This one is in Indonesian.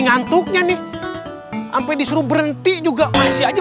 ngantuknya nih ampe disuruh berhenti juga presti aja mrem matanya